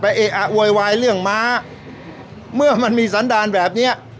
เอ๊ะอ่ะโวยวายเรื่องม้าเมื่อมันมีสันดารแบบเนี้ย